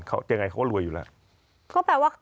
ยังไงเขาก็รวยอยู่แล้ว